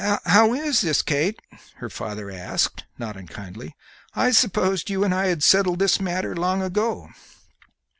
"How is this, Kate?" her father asked, not unkindly; "I supposed you and I had settled this matter long ago."